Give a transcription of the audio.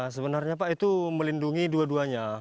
sebenarnya pak itu melindungi dua duanya